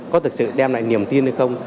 có thực sự đem lại niềm tin hay không